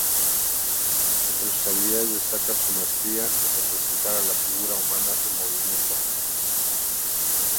Entre sus habilidades destaca su maestría en representar a la figura humana en movimiento.